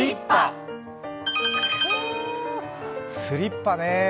スリッパ。